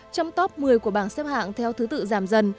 trong top một mươi của bảng xếp hạng theo thứ tự giảm dần